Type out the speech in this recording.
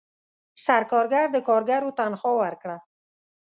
سرکارګر د کارګرو تنخواه ورکړه.